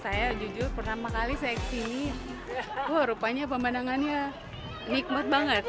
saya jujur pertama kali saya kesini wah rupanya pemandangannya nikmat banget